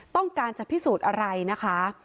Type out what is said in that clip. ต้องการจะพิสูจน์อะไรนะคะ